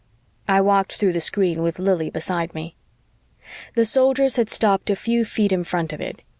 I walked through the screen with Lili beside me. The Soldiers had stopped a few feet in front of it.